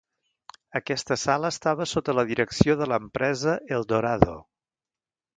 Aquesta sala estava sota la direcció de l'empresa Eldorado.